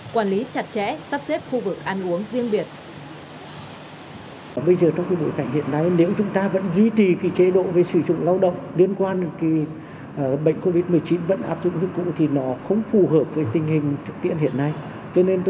quản lý chặt chẽ sắp xếp khu vực ăn uống riêng biệt